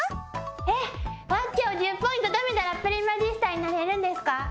えっワッチャ！を１０ポイントためたらプリマジスタになれるんですか？